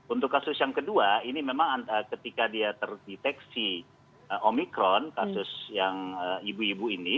untuk kasus yang kedua ini memang ketika dia terdeteksi omikron kasus yang ibu ibu ini